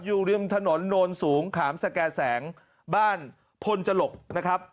ริมถนนโนนสูงขามสแก่แสงบ้านพลจลกนะครับ